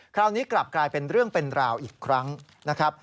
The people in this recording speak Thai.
คราวนี้กลับกลายเป็นเรื่องเป็นราวอีกครั้งนะครับ